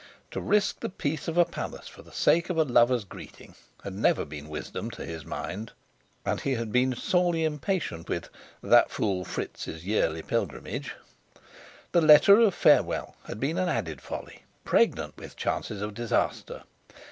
To risk the peace of a palace for the sake of a lover's greeting had never been wisdom to his mind, and he had been sorely impatient with "that fool Fritz's" yearly pilgrimage. The letter of farewell had been an added folly, pregnant with chances of disaster.